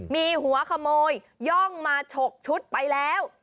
มีหัวขโมยย่องมาฉกชุดไปแล้ว